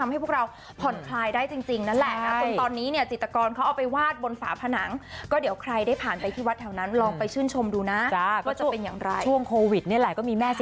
ให้ทุกคนได้ผ่อนคลาย